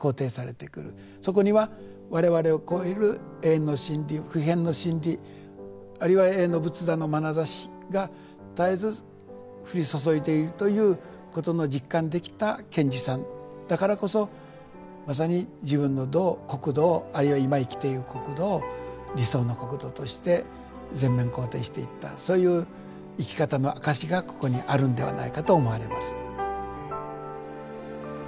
そこには我々を超える永遠の真理不変の真理あるいは永遠の仏陀のまなざしが絶えず降り注いでいるということの実感できた賢治さんだからこそまさに自分の道を国土をあるいは今生きている国土を理想の国土として全面肯定していったそういう生き方の証しがここにあるんではないかと思われます。